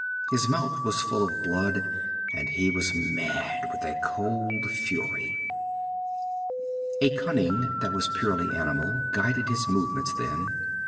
His mouth was full of blood, and he was mad with a cold fury. A cunning that was purely animal guided his movements then.